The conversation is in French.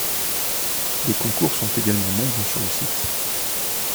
Des concours sont également nombreux sur le site.